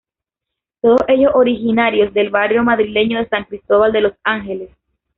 Todos ellos originarios del barrio madrileño de San Cristóbal de los Ángeles.